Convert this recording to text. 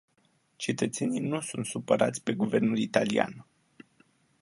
Cetățenii nu sunt supărați pe guvernul italian.